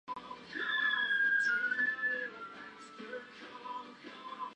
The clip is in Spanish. Para grabar el video fue usada una cámara Red One Edition de alta definición.